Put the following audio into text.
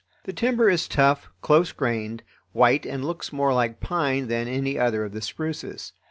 The timber is tough, close grained, white, and looks more like pine than any other of the spruces.